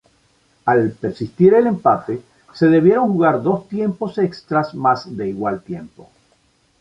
Al persistir el empate, se debieron jugar dos tiempos extras más de igual tiempo.